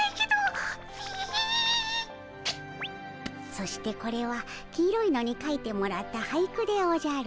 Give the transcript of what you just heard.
そしてこれは黄色いのにかいてもらった俳句でおじゃる。